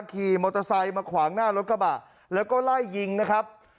ขี่มอเตอร์ไซค์มาขวางหน้ารถกระบะแล้วก็ไล่ยิงนะครับ